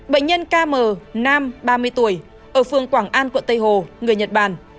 bệnh nhân km nam ba mươi tuổi ở phường quảng an quận tây hồ người nhật bản